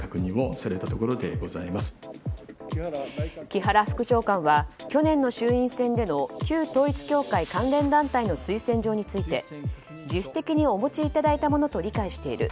木原副長官は去年の衆院選での旧統一教会関連団体の推薦状について自主的にお持ちいただいたものと理解している。